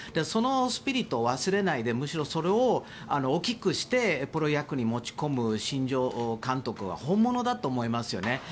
そのスピリットを忘れないでむしろそれを大きくしてプロ野球に持ち込む新庄監督は本物だと思いますよね。